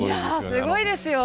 すごいですよ。